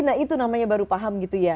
nah itu namanya baru paham gitu ya